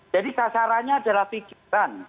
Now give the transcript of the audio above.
jadi sasarannya adalah pikiran